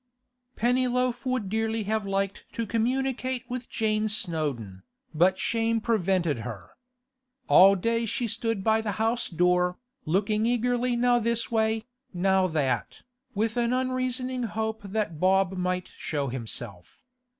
Pennyloaf would dearly have liked to communicate with Jane Snowdon, but shame prevented her. All day she stood by the house door, looking eagerly now this way, now that, with an unreasoning hope that Bob might show himself.